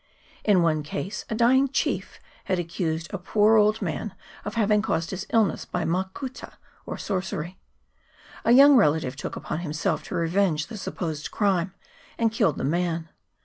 In one case a dying chief had ac cused a poor old man of having caused his illness by makuta, or sorcery. A young relative took upon himself to revenge the supposed crime, and killed the man.